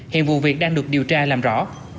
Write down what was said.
hiện vụ việc đang được điều tra làm rõ